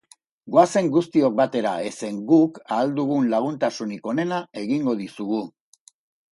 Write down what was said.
Goazen guztiok batera, ezen guk ahal dugun laguntasunik onena egingo dizugu.